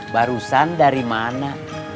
barusan dari mana